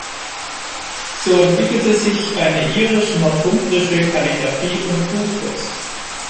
So entwickelte sich eine irisch-northumbrische Kalligraphie und Buchkunst.